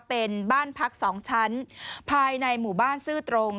เป็นบ้านพัก๒ชั้นภายในหมู่บ้านซื่อตรง